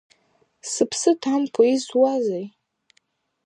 Сыԥсы ҭамкәа, изуазеи?!